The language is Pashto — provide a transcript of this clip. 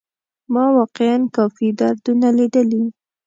ما واقيعا کافي دردونه ليدلي.